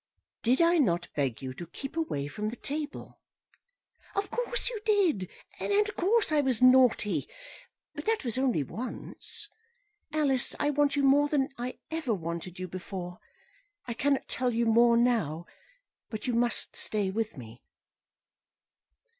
"Did I not beg you to keep away from the table?" "Of course you did, and of course I was naughty; but that was only once. Alice, I want you more than I ever wanted you before. I cannot tell you more now, but you must stay with me."